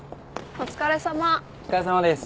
お疲れさまです。